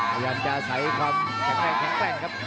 พยันตร์จะใส่ความแข็งแรงแข็งแรงครับ